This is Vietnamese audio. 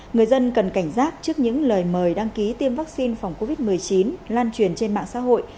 người dân cần cảnh giác trước những lời mời đăng ký tiêm vaccine phòng covid một mươi chín lan truyền trên mạng xã hội